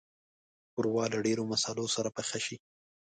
ښوروا له ډېرو مصالحو سره پخه شي.